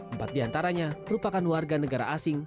empat diantaranya merupakan warga negara asing